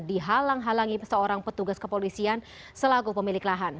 dihalang halangi seorang petugas kepolisian selaku pemilik lahan